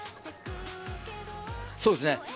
そうですね。